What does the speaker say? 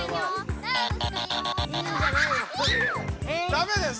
ダメです！